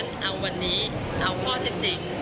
ดังนั้นเอาวันนี้เอาข้อเต็มจริง